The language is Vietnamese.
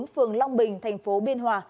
phường long bình tp hcm